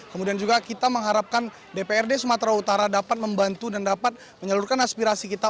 kemudian juga kita mengharapkan dprd sumatera utara dapat membantu dan dapat menyalurkan aspirasi kita